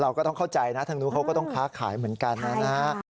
ก็ต้องเข้าใจนะทางนู้นเขาก็ต้องค้าขายเหมือนกันนะฮะ